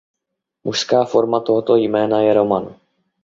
Mužská forma tohoto jména je Roman.